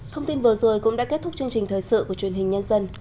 thông tin vừa rồi cũng đã kết thúc chương trình thời sự của truyền hình nhân dân